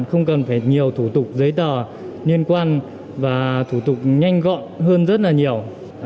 không cần phải nhiều thủ tục giấy tờ liên quan và thủ tục nhanh gọn hơn rất là nhiều